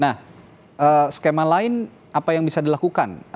nah skema lain apa yang bisa dilakukan